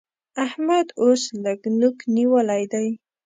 احمد اوس لږ نوک نيول دی